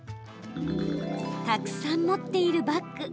たくさん持っているバッグ。